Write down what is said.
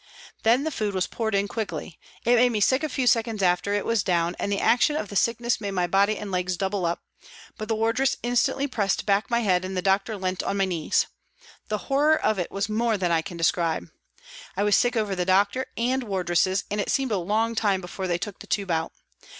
Then the food was poured in quickly ; it made me sick a few seconds after it was down and the action of the sickness made my body and legs double up, but the wardresses instantly pressed back my head and the doctor leant on my knees. The horror of it was more than I can describe. I was sick over the doctor and wardresses, and it seemed a long time before they took the tube out.